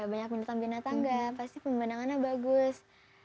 banyak menutup binatang nggak pasti pembinaannya bagus